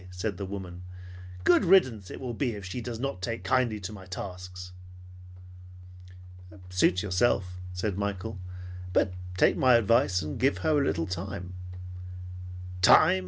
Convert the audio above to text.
said the woman. "Good riddance it will be if she does not take kindly to my tasks." "Suit yourself," said Michael; "but take my advice and give her a little time." "Time!"